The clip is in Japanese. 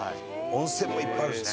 温泉もいっぱいあるしね。